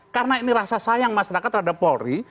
karena ini rasa sayang masyarakat terhadap polri